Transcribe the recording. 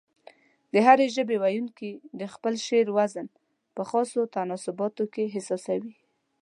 د هرې ژبې ويونکي د خپل شعر وزن په خاصو تناسباتو کې احساسوي.